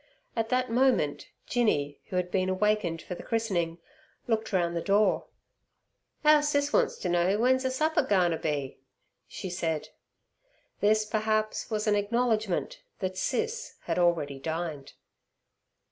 At that moment Jinny, who had been awakened for the christening, looked round the door. "Our Sis wants ter know w'en's 'er supper's goin' ter be!" she said. This perhaps was an acknowledgement that Sis had already dined.